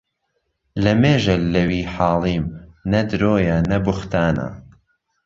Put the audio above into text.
لە مێژە لە وی حاڵیم نە درۆیە نە بوختانە